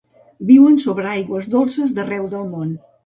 Viuen sobre aigües dolces d'arreu el món.